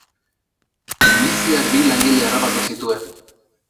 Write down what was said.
Luiziak bi langile harrapatu zituen.